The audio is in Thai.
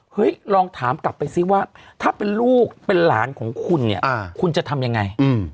ลองถามกลับไปซิว่าถ้าเป็นลูกเป็นหลานของคุณเนี่ยคุณจะทำยังไง